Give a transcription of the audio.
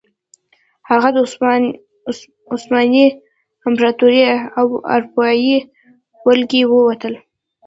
هغه د عثماني امپراتورۍ او اروپايي ولکې ووتل.